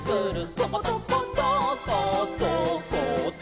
「とことことっことっこと」